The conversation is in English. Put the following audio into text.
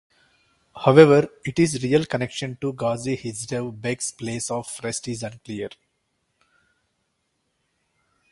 However, its real connection to Gazi Husrev-beg's place of rest is unclear.